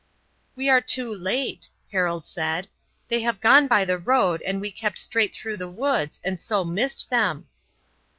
"We are too late," Harold said. "They have gone by the road and we kept straight through the woods and so missed them."